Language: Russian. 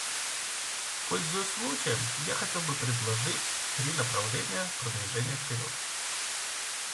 Пользуясь случаем, я хотел бы предложить три направления продвижения вперед.